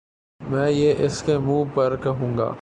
میں یہ اسکے منہ پر کہوں گا